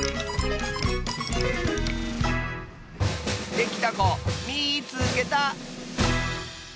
できたこみいつけた！